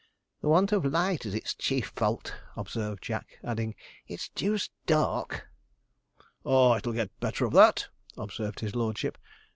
'The want of light is its chief fault,' observed Jack, adding, 'it's deuced dark!' 'Ah, it'll get better of that,' observed his lordship.